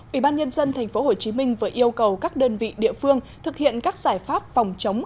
ủy ban nhân dân tp hcm vừa yêu cầu các đơn vị địa phương thực hiện các giải pháp phòng chống